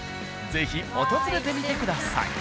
是非訪れてみてください。